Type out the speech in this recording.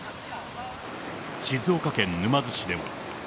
静岡県沼津市では。